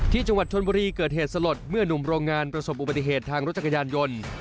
ที่จังหวัดชนบุรีเกิดเหตุสลดเมื่อนุ่มโรงงานประสบอุบัติเหตุทางรถจักรยานยนต์